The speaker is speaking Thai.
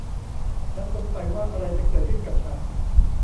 ฉันสงสัยว่าอะไรจะเกิดขึ้นกับฉัน !